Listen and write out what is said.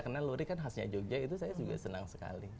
karena lurik kan khasnya jogja itu saya juga senang sekali